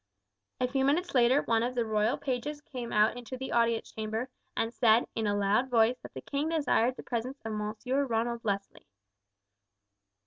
A few minutes later one of the royal pages came out into the audience chamber and said in a loud voice that the king desired the presence of Monsieur Ronald Leslie.